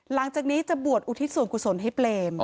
หลังจากนี้จะบวชอุทิศส่วนกุศลให้เปรม